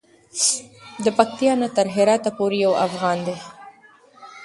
د پکتیا نه تر هراته پورې یو افغان دی.